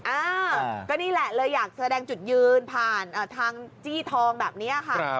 เออก็นี่แหละเลยอยากแสดงจุดยืนผ่านทางจี้ทองแบบนี้ค่ะ